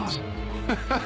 ハハハッ！